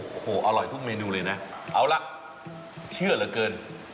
โอ้โหอร่อยทุกเมนูเลยนะเอาล่ะเชื่อเหลือเกิน